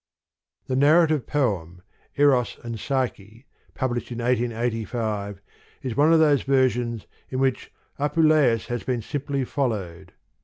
The narrative poem, Eros and Psyche, published in 1885, is one of those versions, in which " Apuleius has been simply fol lowed.